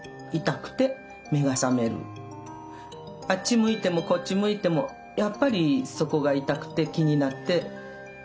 あっち向いてもこっち向いてもやっぱりそこが痛くて気になって寝つけない。